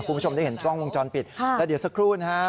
คุณผู้ชมได้เห็นกล้องวงจรปิดแล้วเดี๋ยวสักครู่นะฮะ